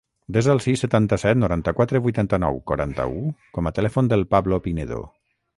Desa el sis, setanta-set, noranta-quatre, vuitanta-nou, quaranta-u com a telèfon del Pablo Pinedo.